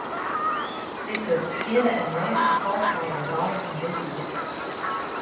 Dit wurdt de fjirde en lêste tolfrije dei fan dit jier.